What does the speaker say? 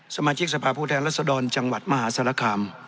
สมาชิกสภาพผู้แทนรัศดรจังหวัดมหาศาลคาม